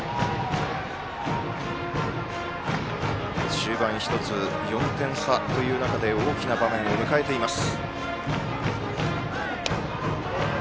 中盤、４点差という中で大きな場面を迎えています。